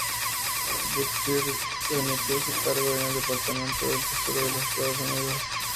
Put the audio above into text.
Butterfield dimitió de su cargo en el Departamento del Tesoro de los Estados Unidos.